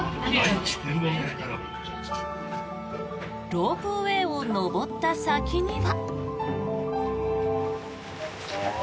ロープウェーを登った先には。